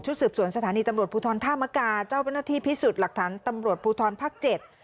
ชุดสืบสวนสถานีตำรวจภูทรธามกาเจ้าหน้าที่พิสุทธิ์หลักฐานตำรวจภูทรภักดิ์๗